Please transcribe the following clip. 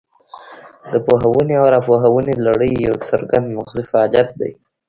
د پوهونې او راپوهونې لړۍ یو څرګند مغزي فعالیت دی